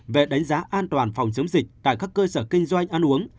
về đánh giá an toàn phòng chống dịch tại các cơ sở kinh doanh ăn uống